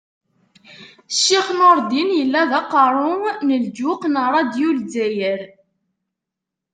Ccix Nurdin yella d aqerru n lǧuq n rradyu n Lezzayer.